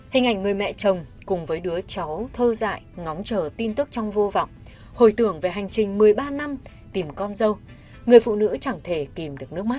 hình ảnh người mẹ chồng cùng với đứa cháu thơ dại ngóng chờ tin tức trong vô vọng hồi tưởng về hành trình một mươi ba năm tìm con dâu người phụ nữ chẳng thể tìm được nước mắt